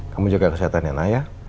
kamu jaga kesehatan ya nak ya